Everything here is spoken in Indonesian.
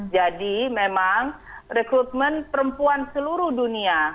jadi memang rekrutmen perempuan seluruh dunia